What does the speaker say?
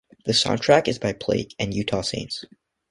The soundtrack is by Plague and Utah Saints.